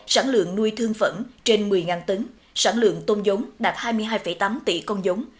sản lượng nuôi thương phẩm trên một mươi tấn sản lượng tôm giống đạt hai mươi hai tám tỷ con giống